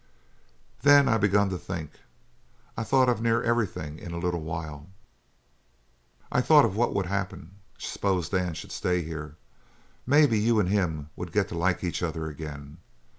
"Then I begun to think. I thought of near everything in a little while. I thought of what would happen s'pose Dan should stay here. Maybe you and him would get to like each other again.